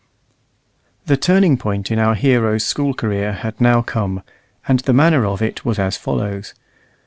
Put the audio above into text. The turning point in our hero's school career had now come, and the manner of it was as follows.